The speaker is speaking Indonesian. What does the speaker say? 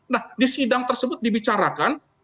nah di sidang tersebut dibicarakan